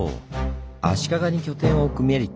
足利に拠点を置くメリット